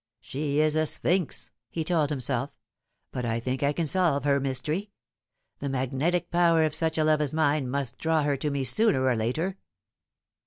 " She is a sphinx," he told himself ;" but I think I can solve her mystery. The magnetic power of such a love as mine must draw her to me sooner or later."